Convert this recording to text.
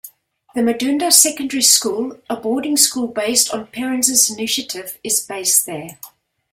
The Madunda Secondary School, a boarding school based on parents' initiative, is based there.